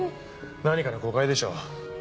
何かの誤解でしょう。